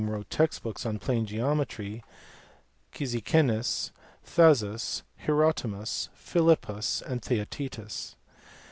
wrote text books on plane geometry), Cyzicenus, Thasus Hermotimus, Philippus, and Theaetetus.